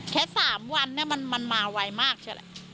แค่๓วันมันมาไวมากเฉยแหละ